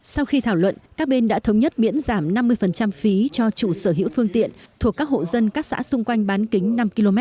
sau khi thảo luận các bên đã thống nhất miễn giảm năm mươi phí cho chủ sở hữu phương tiện thuộc các hộ dân các xã xung quanh bán kính năm km